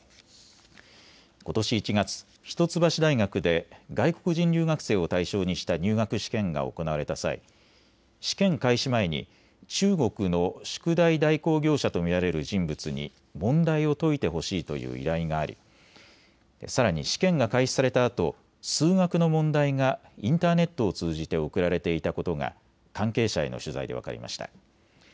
ことし１月、一橋大学で外国人留学生を対象にした入学試験が行われた際、試験開始前に中国の宿題代行業者と見られる人物に問題を解いてほしいという依頼がありさらに試験が開始されたあと数学の問題がインターネットを通じて送られていたことが関係者への取材で分かりました。